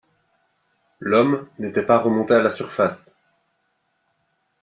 L’homme n’était pas remonté à la surface.